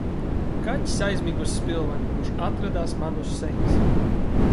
Kaķis aizmiga uz spilvena, kurš atradās man uz sejas.